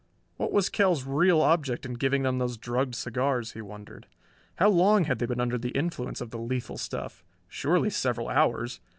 What was Kell's real object in giving them those drugged cigars? he wondered. How long had they been under the influence of the lethal stuff? Surely several hours.